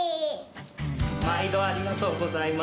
まいどありがとうございます。